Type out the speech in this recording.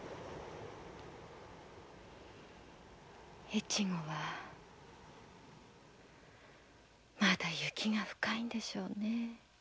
越後はまだ雪が深いんでしょうね。